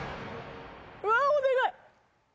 うわお願い！